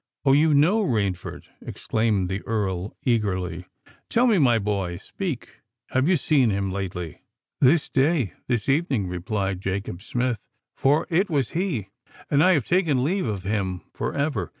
"Oh! you know Rainford!" exclaimed the Earl eagerly. "Tell me, my boy—speak—have you seen him lately?" "This day—this evening," replied Jacob Smith—for it was he: "and I have taken leave of him—for ever!